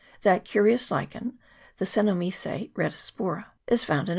That curi ous lichen the Cenomice retispora is found in CHAP.